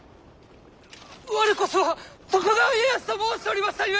「我こそは徳川家康」と申しておりましたゆえ！